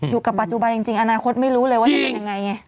อยู่กับปัจจุบันจริงอนาคตไม่รู้เลยว่าจะเป็นยังไงไง